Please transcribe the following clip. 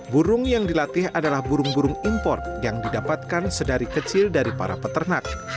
burung yang dilatih adalah burung burung import yang didapatkan sedari kecil dari para peternak